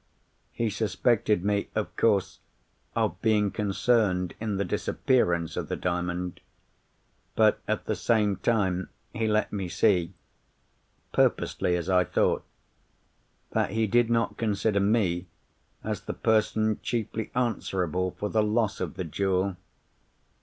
He suspected me, of course, of being concerned in the disappearance of the Diamond. But, at the same time, he let me see—purposely, as I thought—that he did not consider me as the person chiefly answerable for the loss of the jewel.